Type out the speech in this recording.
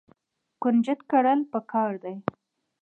کنجد کرل پکار دي.